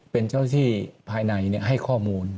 เป็นเจ้าที่ภายในให้ข้อมูล